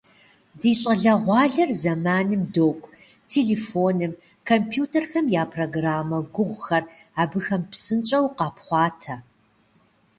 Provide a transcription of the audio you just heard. Ди щӏалэгъуалэр зэманым докӏу - телефоным, компьютерхэм я программэ гугъухэр абыхэм псынщӏэу къапхъуатэ.